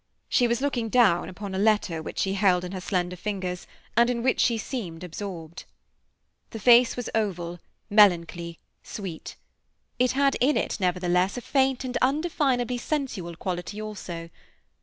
She was looking down upon a letter which she held in her slender fingers, and in which she seemed absorbed. The face was oval, melancholy, sweet. It had in it, nevertheless, a faint and undefinably sensual quality also.